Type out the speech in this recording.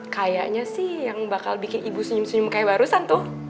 kayaknya sih yang bakal bikin ibu senyum senyum kayak barusan tuh